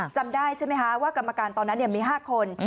จำได้ใช่ไหมคะว่ากรรมการตอนนั้นมี๕คน